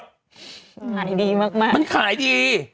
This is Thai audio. ขายดีมากมันขายดี